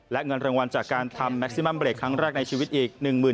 และเงินรางวัลจากการทำแม็กซิมัมเรกครั้งแรกในชีวิตอีก